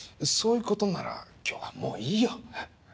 そういう事なら今日はもういいよ。